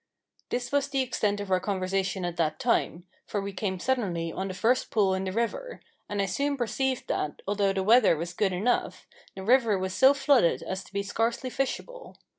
This was the extent of our conversation at that time, for we came suddenly on the first pool in the river; and I soon perceived that, although the weather was good enough, the river was so flooded as to be scarcely fishable.